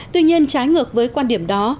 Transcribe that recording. tuy nhiên trái ngược với quan điểm đó